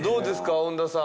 遠田さん。